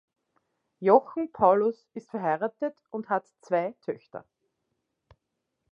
Jochen Paulus ist verheiratet und hat zwei Töchter.